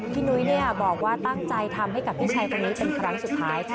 นุ้ยบอกว่าตั้งใจทำให้กับพี่ชายคนนี้เป็นครั้งสุดท้ายค่ะ